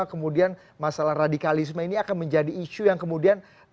kemudian masalah radikalisme ini akan menjadi isu yang kemudian